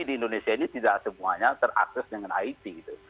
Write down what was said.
di indonesia ini tidak semuanya terakses dengan it gitu